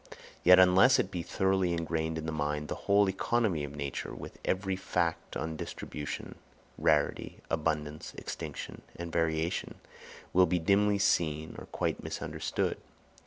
Yet unless it be thoroughly engrained in the mind, the whole economy of nature, with every fact on distribution, rarity, abundance, extinction, and variation, will be dimly seen or quite misunderstood.